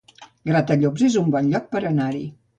Gratallops es un bon lloc per anar-hi